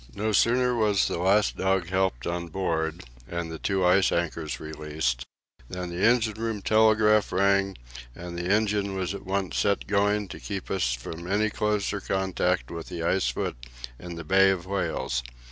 No sooner was the last dog helped on board, and the two ice anchors released, than the engine room telegraph rang, and the engine was at once set going to keep us from any closer contact with the ice foot in the Bay of Whales.